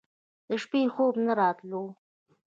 د شپې خوب نه راتلو.